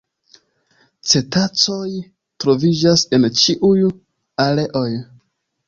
Cetacoj troviĝas en ĉiuj areoj.